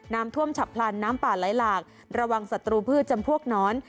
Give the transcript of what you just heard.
น้ำท่วมฉับพลันน้ำป่าไหลหลากระวังศัตรูพืชจำพวกน้อน